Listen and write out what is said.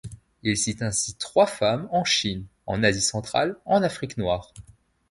Il cite ainsi trois femmes; en Chine, en Asie centrale, en Afrique noire.